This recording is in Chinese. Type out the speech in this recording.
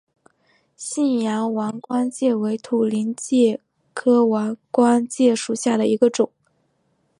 信阳王冠介为土菱介科王冠介属下的一个种。